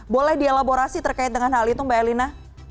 boleh dielaborasi terkait dengan hal itu mbak elina